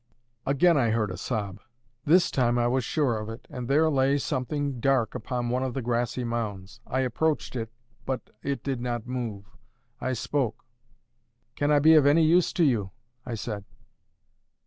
Again I heard a sob. This time I was sure of it. And there lay something dark upon one of the grassy mounds. I approached it, but it did not move. I spoke. "Can I be of any use to you?" I said.